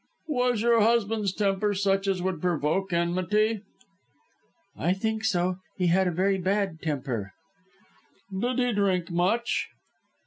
"Was your husband's temper such as would provoke enmity?" "I think so: he had a very bad temper." "Did he drink much?"